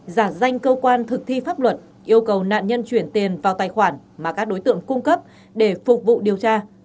giả danh cơ quan thực thi pháp luật yêu cầu nạn nhân chuyển tiền vào tài khoản mà các đối tượng cung cấp để phục vụ điều tra